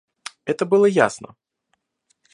Это было ясно.